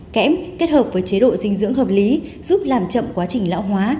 kém kết hợp với chế độ dinh dưỡng hợp lý giúp làm chậm quá trình lão hóa